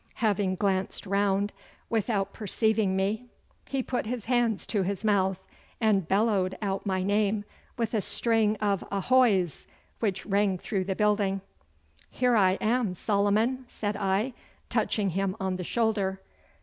Having glanced round without perceiving me, he put his hands to his mouth and bellowed out my name, with a string of 'Ahoys!' which rang through the building. 'Here I am, Solomon,' said I, touching him on the shoulder.